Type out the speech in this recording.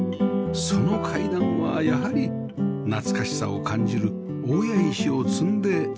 その階段はやはり懐かしさを感じる大谷石を積んで造られています